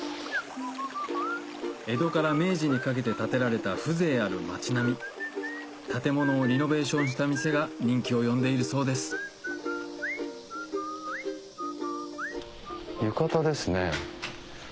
江戸から明治にかけて建てられた風情ある町並み建物をリノベーションした店が人気を呼んでいるそうです浴衣ですね。